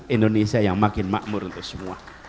indonesia yang makin makmur untuk semua